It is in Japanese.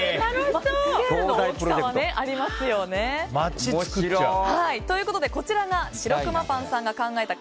スケールの大きさはありますよね。ということでこちらがしろくまパンさんが考えた